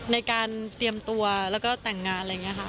ในการเตรียมตัวแล้วก็แต่งงานอะไรอย่างนี้ค่ะ